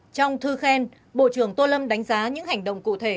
trong thư khen bộ trưởng tô lâm đánh giá những hành động cụ thể